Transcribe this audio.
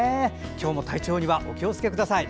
今日も体調にはお気をつけください。